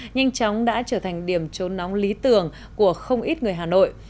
nhanh chóng đã trở thành điểm trốn nóng lý tưởng của không ít người hà nội